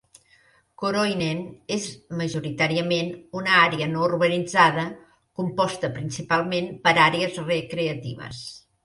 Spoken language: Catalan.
Koroinen és majoritàriament una àrea no urbanitzada, composta principalment per àrees recreatives.